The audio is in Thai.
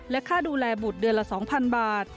ค่าดูแลบุตรเดือนละ๒๐๐๐บาท